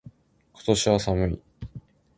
今年は寒い。